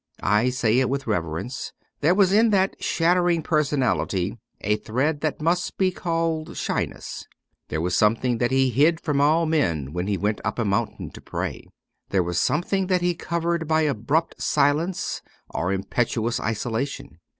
I say it with rever ence ; there was in that shattering personality a thread that must be called shyness. There was something that He hid from all men when He went up a mountain to pray. There was something that He covered by abrupt silence or impetuous isolation.